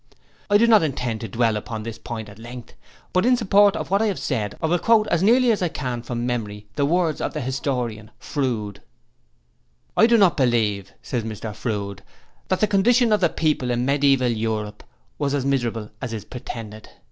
'I do not intend to dwell upon this pout at length, but in support of what I have said I will quote as nearly as I can from memory the words of the historian Froude. '"I do not believe," says Mr Froude, "that the condition of the people in Mediaeval Europe was as miserable as is pretended.